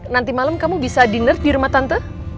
nanti malem kamu bisa dinerth di rumah tante